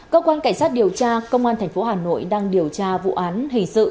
cơ quan cảnh sát điều tra công an tp hà nội đang điều tra vụ án hình sự